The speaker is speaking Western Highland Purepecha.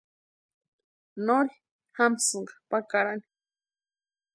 Nori jamsïnka pakarani.